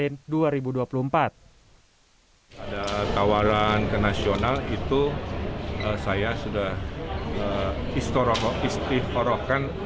tadi dua ribu dua puluh empat kayaknya gayung bersabut dari pan